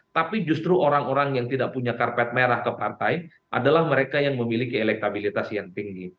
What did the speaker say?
tapi justru orang orang yang tidak punya karpet merah ke partai adalah mereka yang memiliki elektabilitas yang tinggi